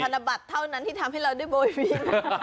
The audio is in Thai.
ธนบัตรเท่านั้นที่ทำให้เราได้โบยบิน